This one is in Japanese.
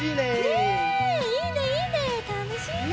ねえいいねいいねたのしいね。